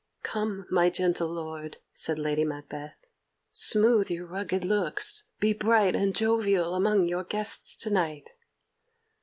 "Come, my gentle lord," said Lady Macbeth, "smooth your rugged looks; be bright and jovial among your guests to night."